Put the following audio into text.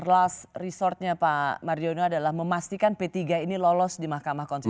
last resort nya pak marjono adalah memastikan p tiga ini lolos di mahkamah konstitusi